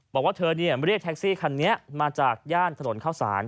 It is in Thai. บอกว่าเธอเรียกแท็กซี่คันนี้มาจากย่านถนนเข้าสาร